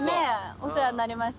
お世話になりまして。